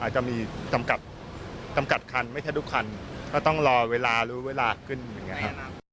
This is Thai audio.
อาจจะมีจำกัดจำกัดคันไม่ใช่ทุกคันก็ต้องรอเวลารู้เวลาขึ้นอย่างเงี้ยค่ะ